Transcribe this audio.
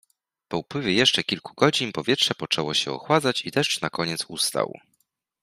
Po upływie jeszcze kilku godzin powietrze poczęło się ochładzać i deszcz nakoniec ustał.